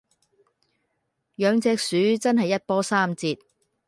養隻鼠真係一波三折